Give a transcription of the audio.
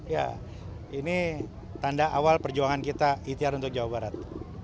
ya ini tanda awal perjuangan kita ikhtiar untuk jawa barat